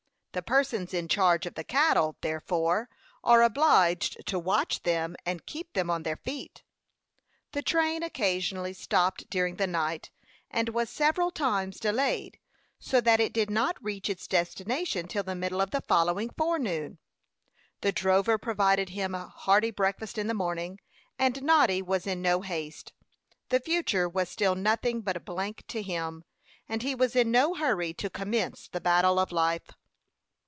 The persons in charge of the cattle, therefore, are obliged to watch them, and keep them on their feet. The train occasionally stopped during the night, and was several times delayed, so that it did not reach its destination till the middle of the following forenoon. The drover provided him a hearty breakfast in the morning, and Noddy was in no haste. The future was still nothing but a blank to him, and he was in no hurry to commence the battle of life.